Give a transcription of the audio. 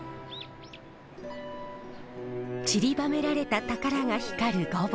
ちりばめられた宝が光る御坊。